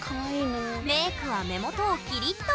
メークは目元をキリッと。